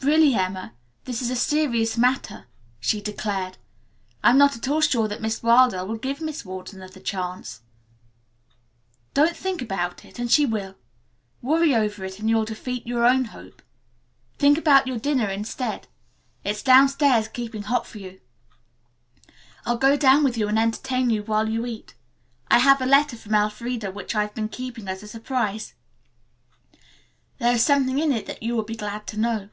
"Really, Emma, this is a serious matter," she declared. "I'm not at all sure that Miss Wilder will give Miss Ward another chance." "Don't think about it and she will. Worry over it and you'll defeat your own hope. Think about your dinner instead. It's downstairs keeping hot for you. I'll go down with you and entertain you while you eat. I have a letter from Elfreda which I've been keeping as a surprise. There is something in it that you will be glad to know."